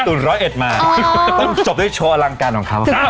ต้องจบด้วยโชว์อลังการของเขา